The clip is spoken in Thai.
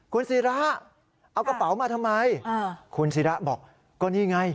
กระเป๋า